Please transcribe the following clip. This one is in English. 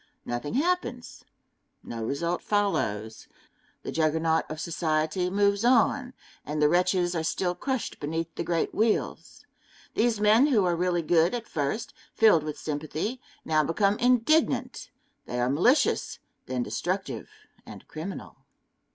Nothing happens, no result follows. The Juggernaut of society moves on, and the wretches are still crushed beneath the great wheels. These men who are really good at first, filled with sympathy, now become indignant they are malicious, then destructive and criminal.